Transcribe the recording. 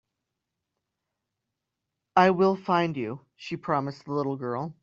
"I will find you.", she promised the little girl.